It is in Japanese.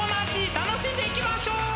楽しんでいきましょう！